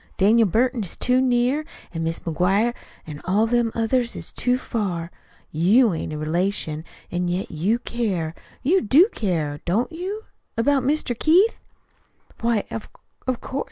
Daniel Burton is too near, an' Mis' McGuire an' all them others is too far. You ain't a relation, an' yet you care. You do care, don't you? about Mr. Keith?" "Why, of of course.